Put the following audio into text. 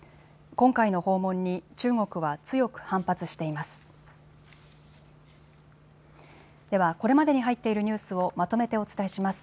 今回の訪問に中国は強く反発しています。